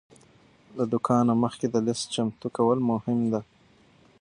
له دوکانه مخکې د لیست چمتو کول مهم دی.